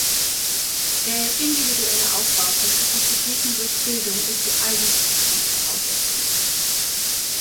Der individuelle Aufbau von Kapazitäten durch Bildung ist die eigentliche Grundvoraussetzung.